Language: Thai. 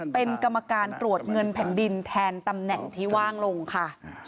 เป็นกรรมการตรวจเงินแผ่นดินแทนตำแหน่งที่ว่างลงค่ะ